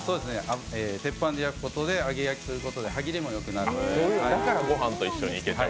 鉄板で焼くことで揚げ焼きということで歯切れもよくなると。